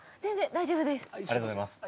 ありがとうございます。